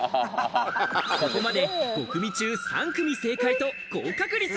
ここまで５組中３組正解と高確率。